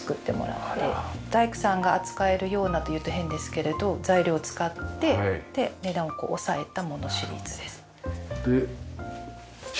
大工さんが扱えるようなというと変ですけれど材料を使って値段を抑えたものシリーズです。で駐車スペース。